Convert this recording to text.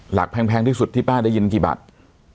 แพงที่สุดที่ป้าได้ยินกี่บาท